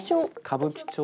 歌舞伎町？